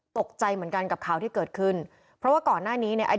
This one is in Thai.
ตกใจเหมือนกันกับข่าวที่เกิดขึ้นเพราะว่าก่อนหน้านี้เนี่ย